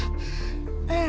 うん。